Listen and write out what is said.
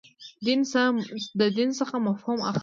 دین څخه مفهوم اخلئ.